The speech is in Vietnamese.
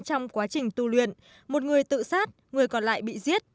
trong quá trình tu luyện một người tự sát người còn lại bị giết